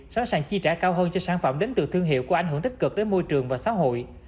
sẵn sàng chi trả cao hơn cho sản phẩm đến từ thương hiệu có ảnh hưởng tích cực đến môi trường và xã hội